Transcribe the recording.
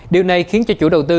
điều này khiến cho chủ đầu tư